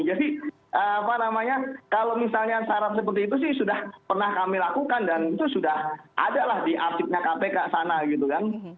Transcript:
apa namanya kalau misalnya syarat seperti itu sih sudah pernah kami lakukan dan itu sudah ada lah di arsipnya kpk sana gitu kan